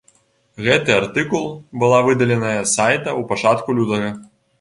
Гэты артыкул была выдаленая з сайта ў пачатку лютага.